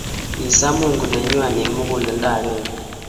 Kisaa mungu neng'wang eng miguledo akenge.